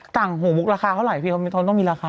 ต่างหูมุกราคาเท่าไหร่พี่เขาต้องมีราคา